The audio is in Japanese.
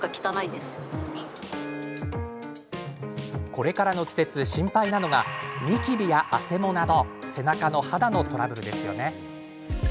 これからの季節、心配なのがニキビや、あせもなど背中の肌のトラブルですよね。